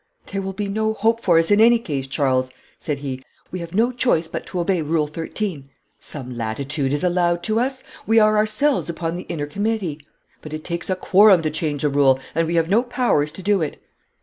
'There will be no hope for us in any case, Charles,' said he. 'We have no choice but to obey Rule 13.' 'Some latitude is allowed to us. We are ourselves upon the inner committee.' 'But it takes a quorum to change a rule, and we have no powers to do it.'